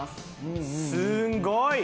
すごい！